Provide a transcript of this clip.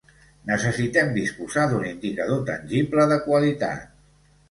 Necessitem disposar d'un indicador tangible de qualitat.